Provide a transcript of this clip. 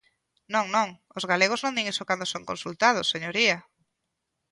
Non, non, os galegos non din iso cando son consultados, señoría.